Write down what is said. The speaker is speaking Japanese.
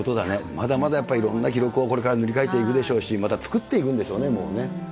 まだまだやっぱりいろんな記録をこれから塗り替えていくでしょうし、また作っていくんでしょうね、もうね。